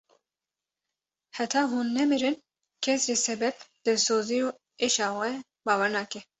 Heta hûn nemirin kes ji sebeb, dilsozî û êşa we bawer nake.